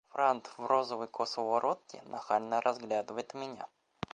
Франт в розовой косоворотке нахально разглядывает меня.